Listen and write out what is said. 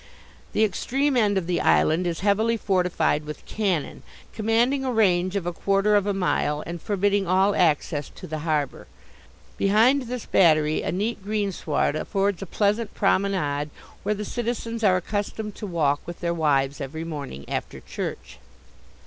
The extreme end of the island is heavily fortified with cannon, commanding a range of a quarter of a mile, and forbidding all access to the harbour. Behind this Battery a neat greensward affords a pleasant promenade, where the citizens are accustomed to walk with their wives every morning after church."